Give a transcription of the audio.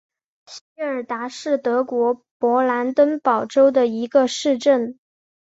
席尔达是德国勃兰登堡州的一个市镇。